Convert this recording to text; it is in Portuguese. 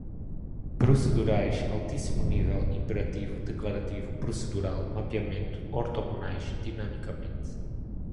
procedurais, altíssimo nível, imperativo, declarativo, procedural, mapeamento, ortogonais, dinamicamente